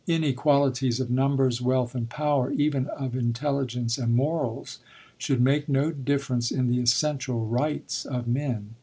Inequalities of numbers, wealth, and power, even of intelligence and morals, should make no difference in the essential rights of men."